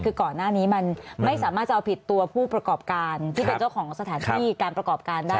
คือก่อนหน้านี้มันไม่สามารถจะเอาผิดตัวผู้ประกอบการที่เป็นเจ้าของสถานที่การประกอบการได้